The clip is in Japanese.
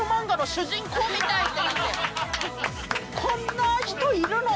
「こんな人いるの！？」